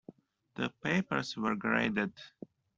The papers were graded.